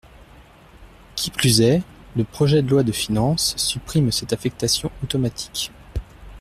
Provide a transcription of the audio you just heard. Qui plus est, le projet de loi de finances supprime cette affectation automatique.